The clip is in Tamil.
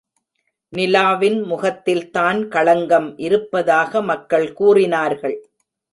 நிலாவின் முகத்தில்தான் களங்கம் இருப்பதாக மக்கள் கூறினார்கள்.